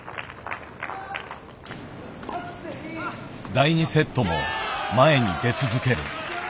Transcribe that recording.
第２セットも前に出続ける。